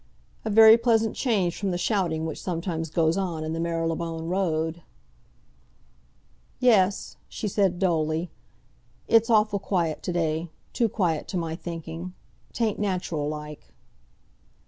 A very pleasant change from the shouting which sometimes goes on in the Marylebone Road." "Yes," she said dully. "It's awful quiet to day—too quiet to my thinking. 'Tain't natural like."